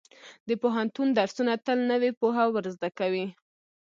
د پوهنتون درسونه تل نوې پوهه ورزده کوي.